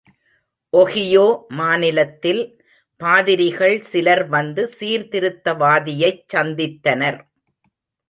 Ohio மாநிலத்தில் பாதிரிகள் சிலர் வந்து சீர்திருத்தவாதியைச் சந்தித்தனர்.